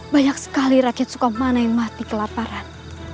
banyak sekali rakyat suka mana yang mati kelaparan